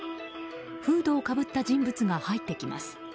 フードをかぶった人物が入ってきます。